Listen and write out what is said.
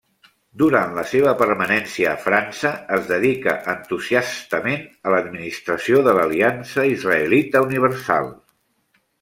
Durant la seva permanència a França es dedica entusiastament a l'administració de l'Aliança Israelita Universal.